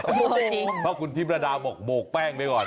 โอ้โหจริงเพราะคุณทิพรดาบอกโบกแป้งไปก่อน